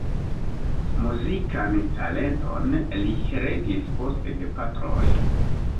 Muzikan talenton li heredis post gepatroj.